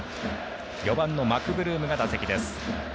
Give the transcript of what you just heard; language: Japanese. ４番のマクブルームが打席です。